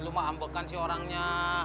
lu mah ampekan sih orangnya